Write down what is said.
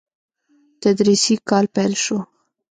تدريسي کال پيل شو.